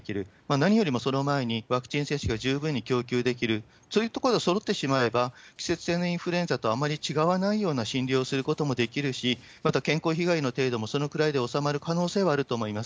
何よりもその前にワクチン接種が十分に供給できる、そういうところでそろってしまえば、季節性のインフルエンザとあまり違わないような診療をすることもできるし、また、健康被害の程度もそのくらいで収まる可能性もあると思います。